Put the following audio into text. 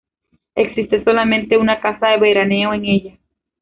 Existe solamente una casa de veraneo en ella.